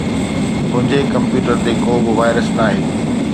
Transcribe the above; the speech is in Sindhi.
منهنجي ڪمپيوٽر تي ڪو به وائرس ناهي.